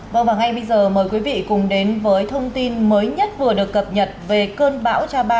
vâng và ngay bây giờ mời quý vị cùng đến với thông tin mới nhất vừa được cập nhật về cơn bão cha ba